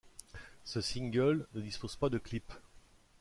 Ce single ne dispose pas de clip.